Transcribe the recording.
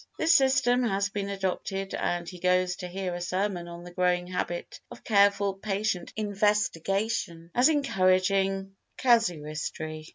This system had been adopted and he goes to hear a sermon On the Growing Habit of Careful Patient Investigation as Encouraging Casuistry.